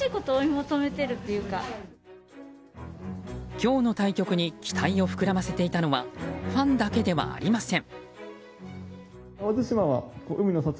今日の対局に期待を膨らませていたのはファンだけではありません。